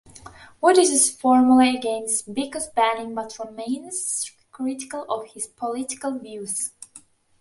Woods is formally against Biko's banning, but remains critical of his political views.